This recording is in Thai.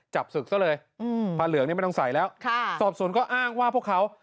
จับศึกซะเลยอืมผ้าเหลืองนี่ไม่ต้องใส่แล้วค่ะสอบสวนก็อ้างว่าพวกเขา